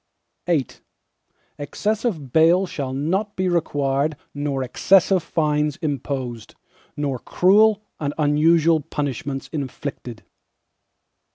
VIII Excessive bail shall not be required nor excessive fines imposed, nor cruel and unusual punishments inflicted.